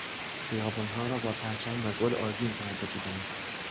خیابانها را با پرچم و گل آذین کرده بودند.